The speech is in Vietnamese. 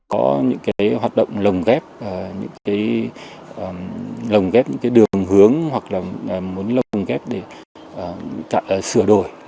có những hoạt động lồng ghép lồng ghép những đường hướng hoặc là muốn lồng ghép để sửa đổi